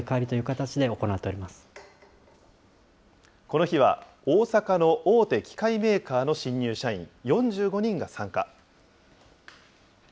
この日は、大阪の大手機械メーカーの新入社員４５人が参加。